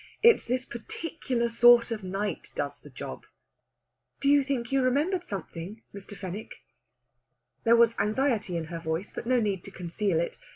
It's this particular sort of night does the job." "Did you think you remembered something, Mr. Fenwick?" There was anxiety in her voice, but no need to conceal it.